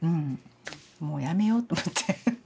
もうやめようと思って。